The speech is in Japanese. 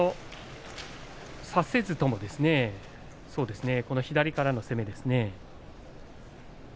差せずとも左からの攻め。